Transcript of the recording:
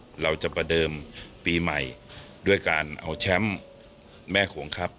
เราจะประเดิมปีใหม่ด้วยการเอาแชมป์แม่โขงครับ